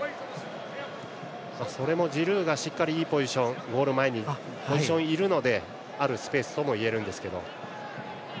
それもジルーがしっかりいいポジションゴール前にいるのであるスペースともいえるんですけど。